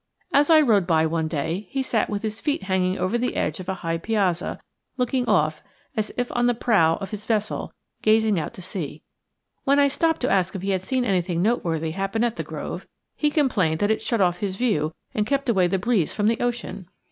As I rode by one day, he sat with his feet hanging over the edge of the high piazza, looking off; as if on the prow of his vessel, gazing out to sea. When I stopped to ask if he had seen anything noteworthy happen at the grove, he complained that it shut off his view and kept away the breeze from the ocean!